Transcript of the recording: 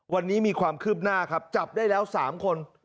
วันนี้มีความคืบหน้าครับจับได้แล้ว๓คน